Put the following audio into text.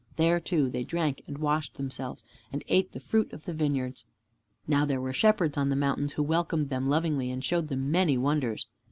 There, too, they drank and washed themselves and ate the fruit of the vineyards. Now there were Shepherds on the mountains, who welcomed them lovingly and showed them many wonders.